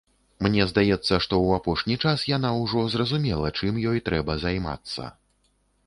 Мне здаецца, што ў апошні час яна ўжо зразумела, чым ёй трэба займацца.